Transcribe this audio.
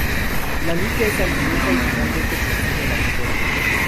La lucha es sangrienta y finalmente consiguen la victoria.